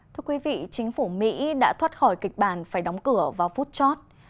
thưa quý vị chính phủ mỹ đã thoát khỏi kịch bản phải đóng cửa vào phút chót